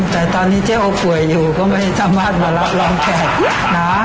แต่ตอนนี้เจ๊โอป่วยอยู่ก็ไม่สามารถมารับรองแขกนะ